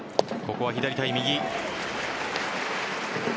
ここは左対右。